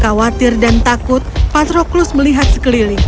khawatir dan takut patroklus melihat sekeliling